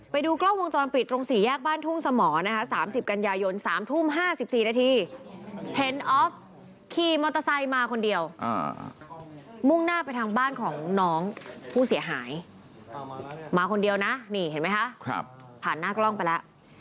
ไปดูกล้องวงจรฟิตรงสีแยกบ้านทุ่งสมนะฮะ